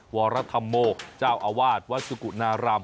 วรธรรมโมเจ้าอาวาสวัดสุกุนาราม